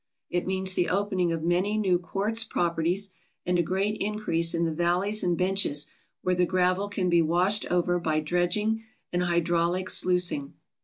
It means the opening of many new quartz properties, and a great increase in the valleys and benches where the gravel can be washed over by dredging and hydraulic sluicing.